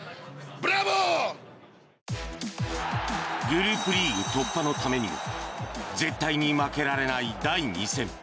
グループリーグ突破のためにも絶対に負けられない第２戦。